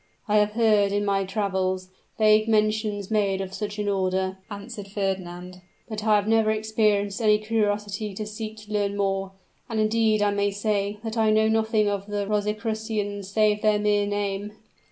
"I have heard, in my travels, vague mention made of such an order," answered Fernand; "but I never experienced any curiosity to seek to learn more and, indeed, I may say, that I know nothing of the Rosicrucians save their mere name."